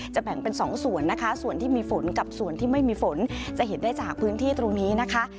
แบ่งเป็นสองส่วนนะคะส่วนที่มีฝนกับส่วนที่ไม่มีฝนจะเห็นได้จากพื้นที่ตรงนี้นะคะ